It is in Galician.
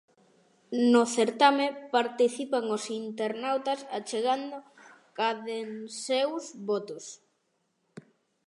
No certame participan os internautas achegando cadanseus votos.